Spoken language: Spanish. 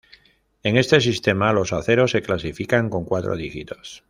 En este sistema los aceros se clasifican con cuatro dígitos.